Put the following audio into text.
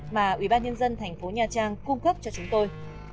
mà ubnd tp nha trang cung cấp cho chúng tôi